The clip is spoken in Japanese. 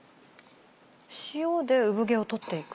塩で産毛を取っていく？